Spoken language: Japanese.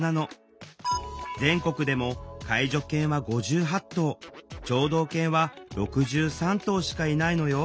全国でも介助犬は５８頭聴導犬は６３頭しかいないのよ。